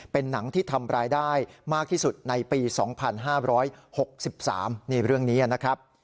เป็นหนังที่ทำรายได้มากที่สุดในปี๒๕๖๓นี่เรื่องนี้นะครับ